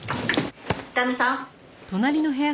「伊丹さん！」